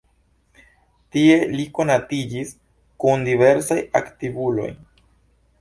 Tie li konatiĝis kun diversaj aktivuloj.